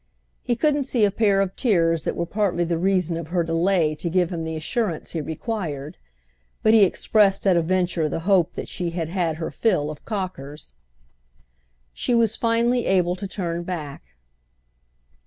He couldn't see a pair of tears that were partly the reason of her delay to give him the assurance he required; but he expressed at a venture the hope that she had had her fill of Cocker's. She was finally able to turn back.